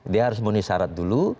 dia harus memenuhi syarat dulu